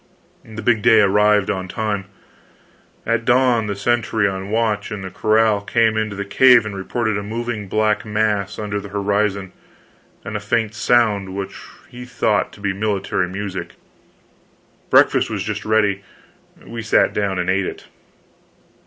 The big day arrived on time. At dawn the sentry on watch in the corral came into the cave and reported a moving black mass under the horizon, and a faint sound which he thought to be military music. Breakfast was just ready; we sat down and ate it.